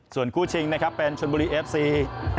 ส่วนคู่ชิงนะครับเป็นชนบุรีเอฟซี